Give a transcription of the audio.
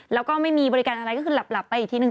แล้วก็ไม่มีบริการอะไรก็คือหลับไปอีกทีนึ